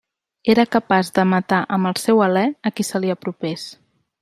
Era capaç de matar amb el seu alè a qui se li apropés.